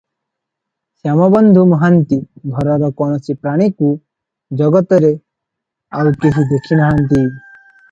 ଶ୍ୟାମବନ୍ଧୁ ମହାନ୍ତି ଘରର କୌଣସି ପ୍ରାଣୀକୁ ଜଗତରେ ଆଉ କେହି ଦେଖି ନାହାନ୍ତି ।